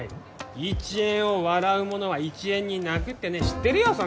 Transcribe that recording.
１円を笑う者は１円に泣くってね知ってるよそんぐらい。